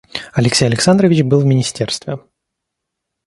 Алексей Александрович был в министерстве.